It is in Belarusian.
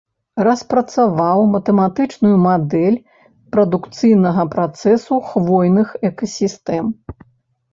Распрацаваў матэматычную мадэль прадукцыйнага працэсу хвойных экасістэм.